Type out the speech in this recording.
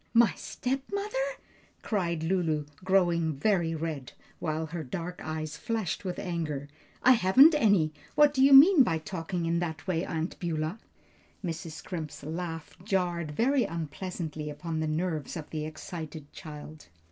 "My stepmother!" cried Lulu, growing very red, while her dark eyes flashed with anger. "I haven't any! What do you mean by talking in that way, Aunt Beulah?" Mrs. Scrimp's laugh jarred very unpleasantly upon the nerves of the excited child.